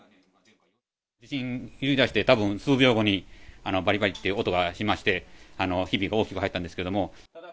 地震揺れだして、たぶん数秒後に、ばりばりと音がしまして、ひび大きく入ったんですけれども。